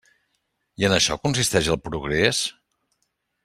I en això consisteix el progrés?